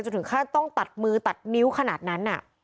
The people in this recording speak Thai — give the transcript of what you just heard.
ถึงขั้นต้องตัดมือตัดนิ้วขนาดนั้น